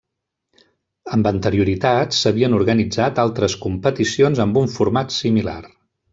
Amb anterioritat s'havien organitzat altres competicions amb un format similar.